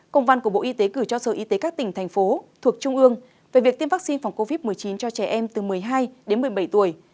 công văn của bộ y tế gửi cho sở y tế các tỉnh thành phố thuộc trung ương về việc tiêm vaccine phòng covid một mươi chín cho trẻ em từ một mươi hai đến một mươi bảy tuổi